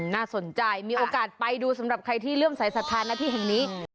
น่าสนใจมีโอกาสไปดูสำหรับใครที่เริ่มใส่สถานที่แห่งนี้